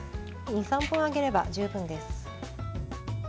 ２３分揚げれば十分です。